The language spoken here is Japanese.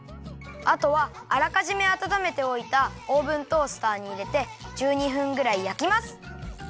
あとはあらかじめあたためておいたオーブントースターにいれて１２分ぐらいやきます。